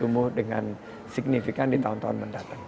dan ini akan menjadi target yang signifikan di tahun tahun mendatang